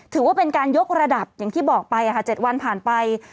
ถือว่าเป็นการยกระดับอย่างที่บอกไป๗วันผ่านไป